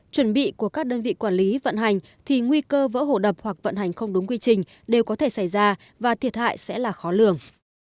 chuẩn bị của các đơn vị quản lý vận hành thì nguy cơ vỡ hồ đập hoặc vận hành không đúng quy trình đều có thể xảy ra và thiệt hại sẽ là khó lường